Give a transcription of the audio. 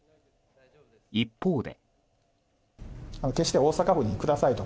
一方で。